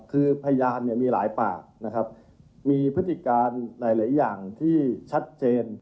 คือพยานเนี่ยมีหลายปากนะครับมีพฤติการหลายอย่างที่ชัดเจน